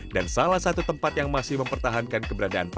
dan salah satu tempat yang masih mempertahankan keberadaannya